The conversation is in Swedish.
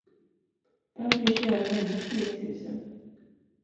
Vem bryr sig om hennes tiotusen?